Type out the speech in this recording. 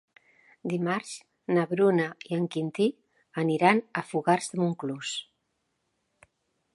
Dimarts na Bruna i en Quintí aniran a Fogars de Montclús.